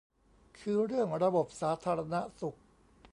คือเรื่องระบบสาธารณสุข